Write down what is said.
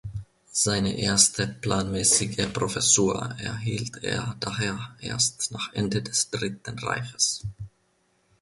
Seine erste planmäßige Professur erhielt er daher erst nach Ende des Dritten Reiches.